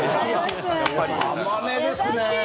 甘めですね。